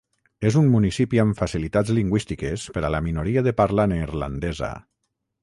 És un municipi amb facilitats lingüístiques per a la minoria de parla neerlandesa.